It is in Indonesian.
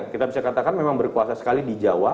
kita bisa katakan memang berkuasa sekali di jawa